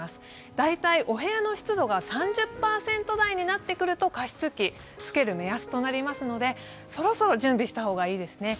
大体お部屋の湿度が３０％台になってくると加湿器をつける目安となりますので、そろそろ準備した方がいいですね。